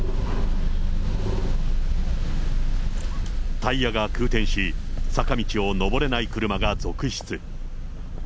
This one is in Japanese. タイヤが空転し、坂道を登れない車が続出。